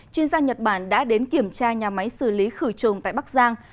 chuyên gia nhật bản đã đến kiểm tra nhà máy xử lý khử trùng tại bắc giang